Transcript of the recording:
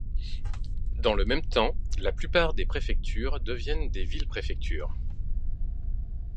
Dans le même temps, la plupart des préfectures deviennent des villes-préfectures.